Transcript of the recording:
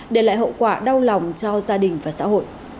để lại hậu quả đau lòng cho gia đình